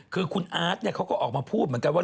คือคุณอาร์ตเขาก็ออกมาพูดเหมือนกันว่า